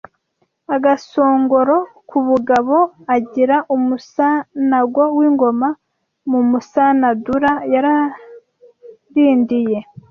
agasongoro k’ubugabo Agira uMusanago w’ingoma Mu Musanadura yaraharindiye